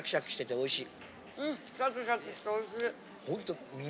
おいしい。